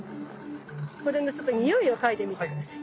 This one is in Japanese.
これのちょっとにおいを嗅いでみて下さい。